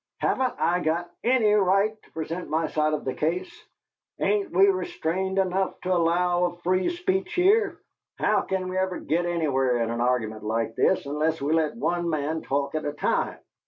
"Haven't I got ANY right to present my side of the case? Ain't we restrained enough to allow of free speech here? How can we ever git anywhere in an argument like this, unless we let one man talk at a time?